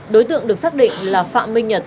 đối tượng được xác định là phạm minh nhật